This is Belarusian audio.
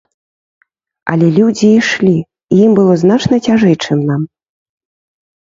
Але людзі ішлі, і ім было значна цяжэй, чым нам.